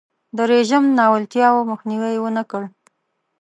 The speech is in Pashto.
د رژیم ناولتیاوو مخنیوی یې ونکړ.